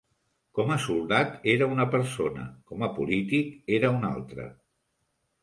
Com a soldat era una persona, com a polític era una altra.